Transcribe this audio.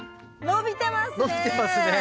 伸びてますね。